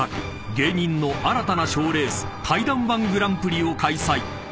芸人の新たな賞レース怪談−１グランプリを開催］